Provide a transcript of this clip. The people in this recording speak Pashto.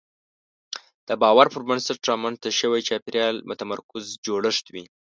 د باور پر بنسټ رامنځته شوی چاپېریال متمرکز جوړښت وي.